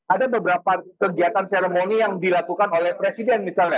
ada beberapa kegiatan seremoni yang dilakukan oleh presiden misalnya